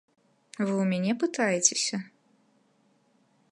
Вы ў мяне пытаецеся?